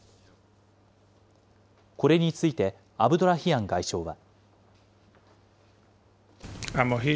これについてアブドラヒアン外相は。